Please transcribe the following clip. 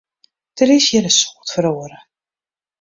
Der is hjir in soad feroare.